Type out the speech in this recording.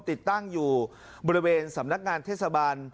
ติดตั้งอยู่บริเวณสำนักงานเทศบาล